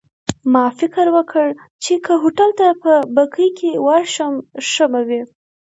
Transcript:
ما فکر وکړ، چي که هوټل ته په بګۍ کي ورشم ښه به وي.